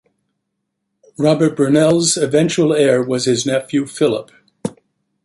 Robert Burnell's eventual heir was his nephew, Philip.